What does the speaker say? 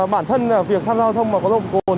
bản thân việc tham gia giao thông mà có độ cồn